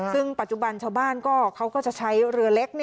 ซึ่งปัจจุบันชาวบ้านเขาก็จะใช้เรือเล็ก